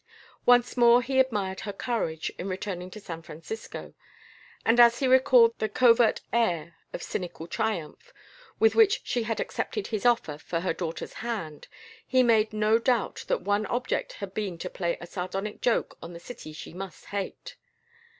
Once more he admired her courage in returning to San Francisco, and as he recalled the covert air of cynical triumph, with which she had accepted his offer for her daughter's hand, he made no doubt that one object had been to play a sardonic joke on the city she must hate.